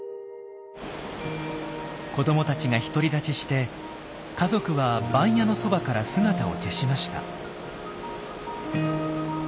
子どもたちが独り立ちして家族は番屋のそばから姿を消しました。